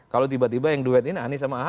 kalau tiba tiba yang duet ini anies